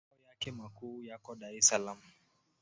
Makao yake makuu yako Dar es Salaam.